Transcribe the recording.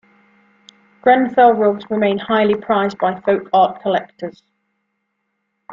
Grenfell rugs remain highly prized by folk art collectors.